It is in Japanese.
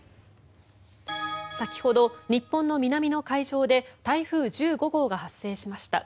先ほど、日本の南の海上で台風１５号が発生しました。